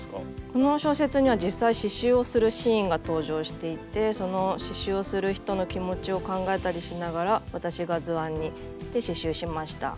この小説には実際刺しゅうをするシーンが登場していてその刺しゅうをする人の気持ちを考えたりしながら私が図案にして刺しゅうしました。